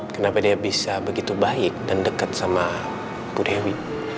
kenapa dia bisa begitu baik dan deket sama budewi